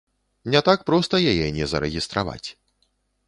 Не так проста яе не зарэгістраваць.